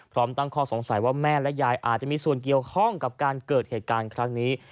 พร้อมตั้งข้อสงสัยว่าแม่และยายอาจจะมีส่วนเกี่ยวข้องกับการเกิดเหตุการณ์ครั้งนี้